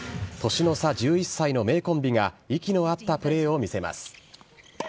年の差１１歳の名コンビが、息の合ったプレーを見せます。